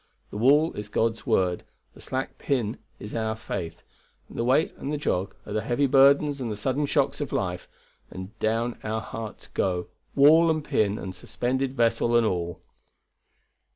The wall is God's word, the slack pin is our faith, and the weight and the jog are the heavy burdens and the sudden shocks of life, and down our hearts go, wall and pin and suspended vessel and all."